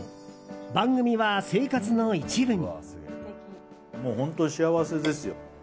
番組は生活の一部に。